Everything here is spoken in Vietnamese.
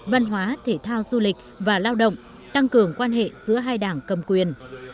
văn hóa thể thao du lịch và lao động tăng cường quan hệ giữa hai đảng cầm quyền